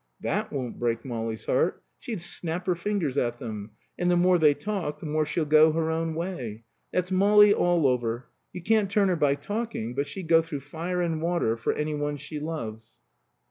"That won't break Molly's heart. She'd snap her fingers at them. And the more they talk, the more she'll go her own way. That's Molly all over. You can't turn her by talking, but she'd go through fire and water for any one she loves."